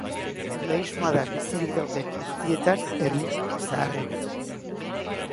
Judaismoa da bizirik dauden guztietan erlijio zaharrena.